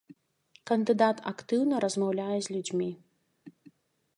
Кандыдат актыўна размаўляе з людзьмі.